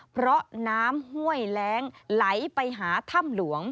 เพราะน้ำห้วยแร้งไหลไปหาถ้ำหลวง